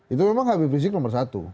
itu memang habib rizik nomor satu